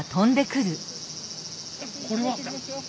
これは？